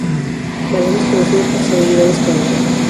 Malema es conocido por sus habilidades como orador.